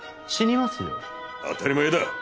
当たり前だ！